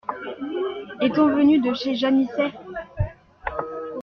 Est-on venu de chez Janisset ?